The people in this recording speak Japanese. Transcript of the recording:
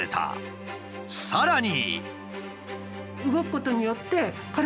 さらに。